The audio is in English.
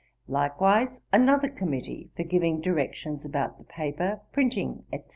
Likewise another committee for giving directions about the paper, printing, etc.